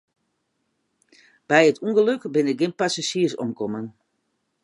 By it ûngelok binne gjin passazjiers omkommen.